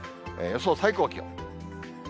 予想最高気温。